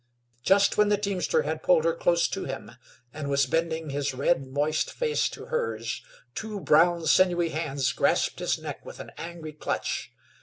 Just when the teamster had pulled her close to him, and was bending his red, moist face to hers, two brown, sinewy hands grasped his neck with an angry clutch.